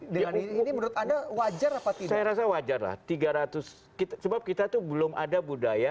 dengan ini menurut ada wajar apa tidak saya rasa wajar lah tiga ratus kita sebab kita tuh belum ada budaya